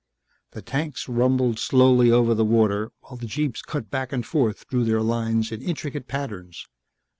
The tanks rumbled slowly over the water while the jeeps cut back and forth through their lines in intricate patterns.